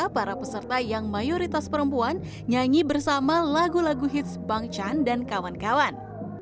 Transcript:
para peserta yang mayoritas perempuan nyanyi bersama lagu lagu hits bang chan dan kawan kawan